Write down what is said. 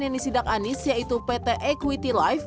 yang disidak anies yaitu pt equity life